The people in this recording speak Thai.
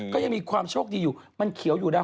ก็ยังมีความโชคดีอยู่มันเขียวอยู่แล้ว